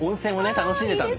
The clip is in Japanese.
楽しんでたんです。